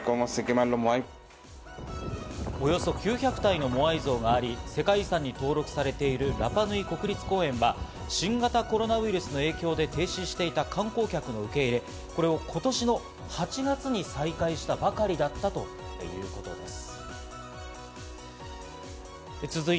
およそ９００体のモアイ像があり、世界遺産に登録されているラパ・ヌイ国立公園は新型コロナウイルスの影響で停止していた観光客の受け入れを今年の８月に再開したばかりだったということです。